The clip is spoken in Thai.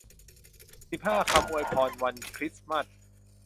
สิบห้า คำอวยพรวันคริสต์มาส